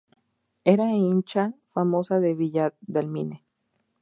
Era hincha famoso de Villa Dálmine.